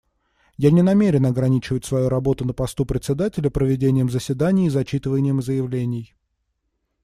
Я не намерен ограничивать свою работу на посту Председателя проведением заседаний и зачитыванием заявлений.